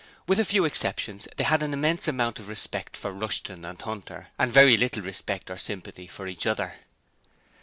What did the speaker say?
With a few exceptions, they had an immense amount of respect for Rushton and Hunter, and very little respect or sympathy for each other.